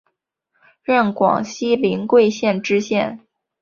任广西临桂县知县。